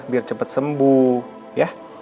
biar cepat sembuh ya